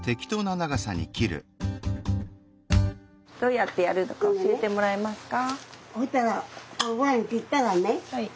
どうやってやるのか教えてもらえますか。